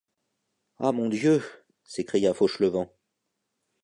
Ah mon Dieu! s’écria Fauchelevent.